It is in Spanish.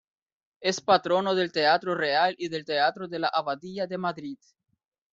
Es patrono del Teatro Real y del Teatro de La Abadía de Madrid.